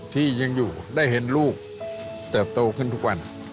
ที่ยังอยู่ได้เห็นลูกเติบโตขึ้นทุกวัน